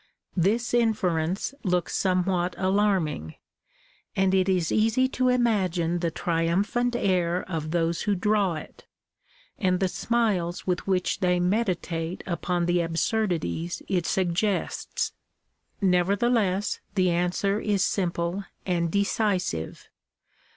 This inference looks somewhat alarming ; and it is easy to imagine the triumphant air of those who draw it, and the smiles with which they meditate upon the absurdities it suggests. Nevertheless the answer is simple and decisive.